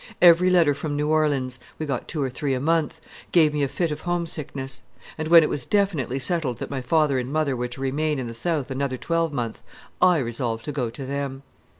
Every letter from New Orleans we got two or three a month gave me a fit of homesickness; and when it was definitely settled that my father and mother were to remain in the South another twelvemonth, I resolved to go to them.